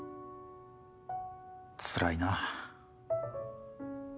つらいな。